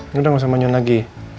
ini udah gak usah maju lagi